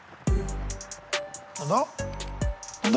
何だ？